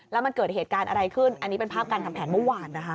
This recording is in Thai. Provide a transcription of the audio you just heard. แล้วมันเกิดเหตุการณ์อะไรขึ้นอันนี้เป็นภาพการทำแผนเมื่อวานนะคะ